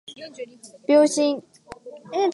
秒針